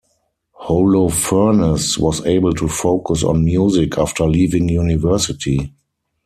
Holofernes was able to focus on music after leaving university.